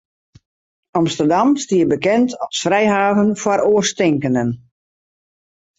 Amsterdam stie bekend as frijhaven foar oarstinkenden.